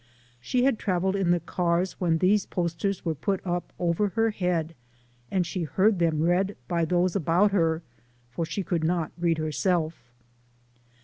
She had traveled in the cars when these posters were put up over her head, and she heard them read by those about her for she could not read herself.